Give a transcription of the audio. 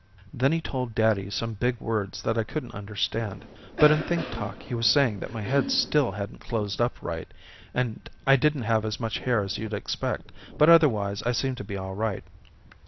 Then he told daddy some big words that I couldn't understand, but in think talk he was saying that my head still hadn't closed up right and I didn't have as much hair as you'd expect but otherwise I seemed to be all right.